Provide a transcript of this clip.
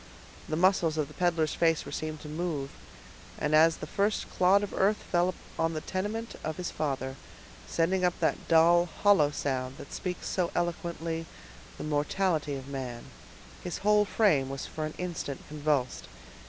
The muscles of the peddler's face were seen to move, and as the first clod of earth fell on the tenement of his father, sending up that dull, hollow sound that speaks so eloquently the mortality of man, his whole frame was for an instant convulsed.